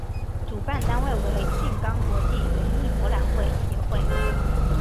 主办单位为静冈国际园艺博览会协会。